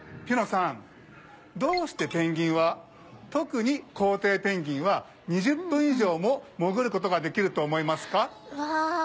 どうしてペンギンは特にコウテイペンギンは２０分以上も潜る事ができると思いますか？